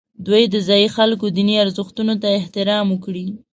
دوی د ځایي خلکو دیني ارزښتونو ته احترام وکړي.